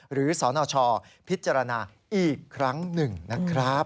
สนชพิจารณาอีกครั้งหนึ่งนะครับ